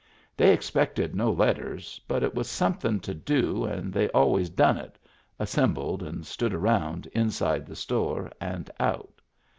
They expected no letters, but it was somethin* to do and they always done it — assembled and stood around inside the store and out.